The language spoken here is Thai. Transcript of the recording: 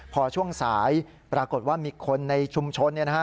พอช่วงสายปรากฏว่ามีคนในชุมชน